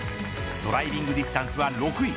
ドライビングディスタンスは６位。